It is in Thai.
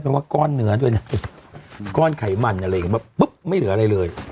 แล้วผมเห็นแบบไม่เหลืออะไรเลย